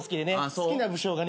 好きな武将がね